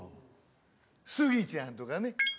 スギちゃんとかね。